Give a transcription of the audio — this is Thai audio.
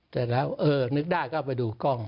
เสร็จแล้วเออนึกได้ก็ไปดูกล้อง